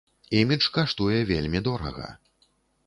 Імідж каштуе вельмі дорага.